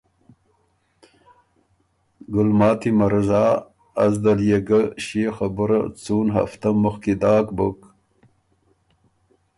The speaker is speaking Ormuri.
”ګلماتی مرزا از دل يې ګۀ ݭيې خبُره څُون هفتۀ مُخکی داک بُک